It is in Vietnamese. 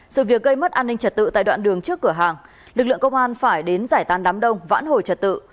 sự việc gây mất an ninh trật tự tại đoạn đường trước cửa hàng lực lượng công an phải đến giải tàn đám đông vãn hồi trật tự